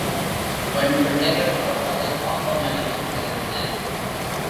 பெண் பிள்ளைகள் பிறப்பதைப் பாவமெனவும் கருதினர்.